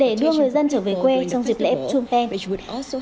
để đưa người dân trở về quê trong dịp lễ pichun penh